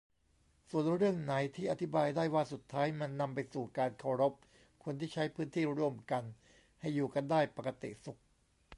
ส่วนเรื่องไหนที่อธิบายได้ว่า สุดท้ายมันนำไปสู่การเคารพคนที่ใช้พื้นที่ร่วมกันให้อยู่กันได้ปกติสุข